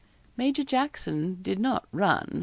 Major Jackson did not run.